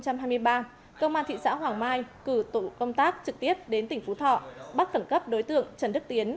công an thị xã hoàng mai cử tụ công tác trực tiếp đến tỉnh phú thọ bắt cẩn cấp đối tượng trần đức tiến